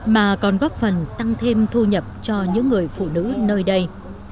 mà còn góp phần tăng thêm thu nhập cho những người phụ nữ nơi đây